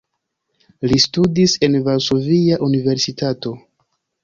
Li studis en Varsovia Universitato.